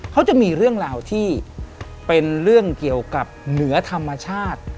เขาจะมีเรื่องราวที่เป็นเรื่องเกี่ยวกับเหนือธรรมชาติ